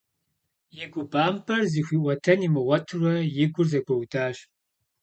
И губампӏэр зыхуиӏуэтэн имыгъуэтурэ и гур зэгуэудащ.